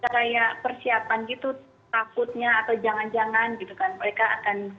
raya persiapan gitu takutnya atau jangan jangan gitu kan mereka akan